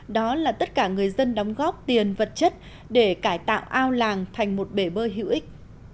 đó là tất cả người dân đóng góp tiền vật chất để cải tạo ao làng thành một bể bơi hữu ích